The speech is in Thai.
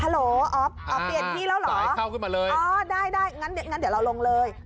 ฮัลโหลออฟออฟเปลี่ยนที่แล้วเหรออ๋อได้งั้นเดี๋ยวเราลงเลย